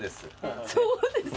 そうです。